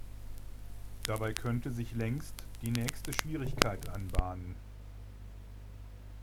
Dabei könnte sich längst die nächste Schwierigkeit anbahnen.